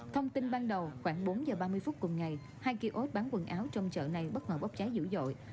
thông tin ban đầu khoảng bốn giờ ba mươi phút cùng ngày hai kiosk bán quần áo trong chợ này bất ngờ bốc cháy dữ dội